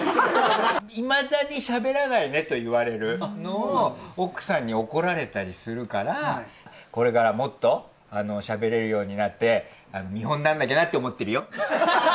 いまだにしゃべらないねと言われるのを、奥さんに怒られたりするから、これからもっと、しゃべれるようになって、見本になんなきゃなって思ってるよ。